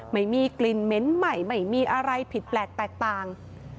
ไม่มีกลิ่นเหม็นใหม่ไม่มีอะไรผิดแปลกแตกต่าง